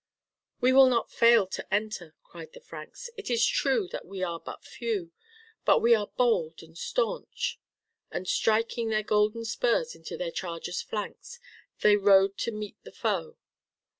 "We will not fail to enter," cried the Franks. "It is true that we are but few, but we are bold and stanch," and striking their golden spurs into their chargers' flanks, they rode to meet the foe.